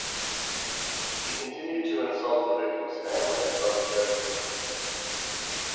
He continued to insult the victims' families until the judge removed him.